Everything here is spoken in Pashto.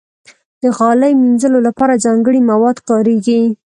د غالۍ مینځلو لپاره ځانګړي مواد کارېږي.